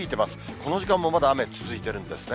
この時間もまだ雨、続いているんですね。